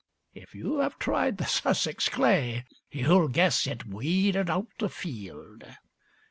If you 'ave tried the Sussex clay, You'll guess it weeded out the field.